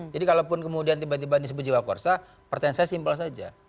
jadi kalau kemudian tiba tiba disebut jiwa kursus pertanyaan saya simple saja